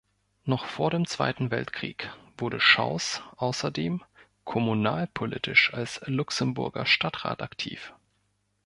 Noch vor dem Zweiten Weltkrieg wurde Schaus außerdem kommunalpolitisch als Luxemburger Stadtrat aktiv.